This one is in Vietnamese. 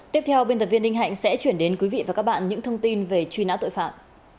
tiếp theo biên tập viên ninh hạnh sẽ chuyển đến quý vị và các bạn những thông tin về truy nã tội phạm